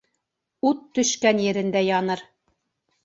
Ут төшкән ерендә яныр.